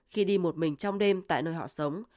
khi đi một mình trong đêm tại nơi họ sống